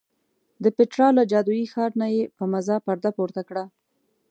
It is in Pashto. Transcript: د پیترا له جادویي ښار نه یې په مزه پرده پورته کړه.